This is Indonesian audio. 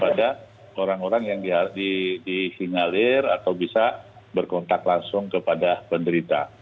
pada orang orang yang dihinalir atau bisa berkontak langsung kepada penderita